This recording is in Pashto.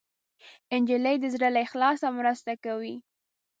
نجلۍ د زړه له اخلاصه مرسته کوي.